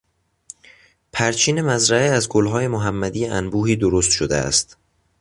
پرچین مزرعه از گلهای محمدی انبوهی درست شده است.